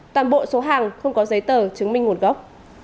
toàn bộ số hàng không có giấy tờ chứng minh nguồn gốc